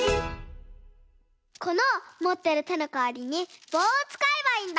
このもってるてのかわりにぼうをつかえばいいんだ。